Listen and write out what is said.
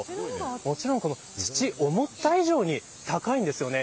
もちろん土、思った以上に高いんですよね。